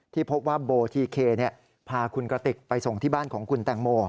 พบว่าโบทีเคพาคุณกระติกไปส่งที่บ้านของคุณแตงโม